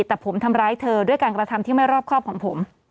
แต่ผมทำร้ายเธอด้วยการกระทำที่ไม่รอบครอบของผม